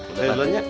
udah ya duluan ya